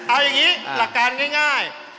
เอาอย่างนี้หลักการง่าย